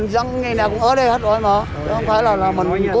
không phải là mình cú tình đâu nó thật sự